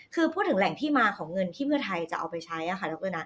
คือพูดถึงแหล่งที่มาของเงินที่เพื่อไทยจะเอาไปใช้ค่ะดรนะ